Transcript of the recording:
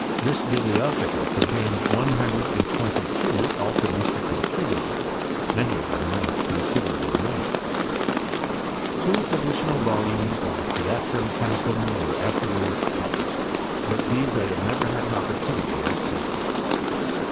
Tliis Biblio* tea contains one hundred and twenty two alchy bUcal UGatises, many of them of considerable length. 8 HISTORY OF CHEMISTRY. Two additional volumes of the Tlieatrum Chemicnm were afterwards published ; but these I have never had an opportunity of seeing.